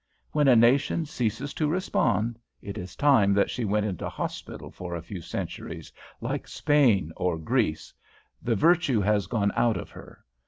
When a nation ceases to respond, it is time that she went into hospital for a few centuries, like Spain or Greece, the virtue has gone out of her.